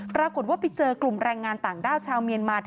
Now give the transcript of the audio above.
ปรากฏว่าไปเจอกลุ่มแรงงานต่างด้าวชาวเมียนมา